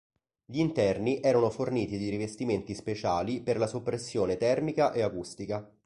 Gli interni erano forniti di rivestimenti speciali per la soppressione termica e acustica.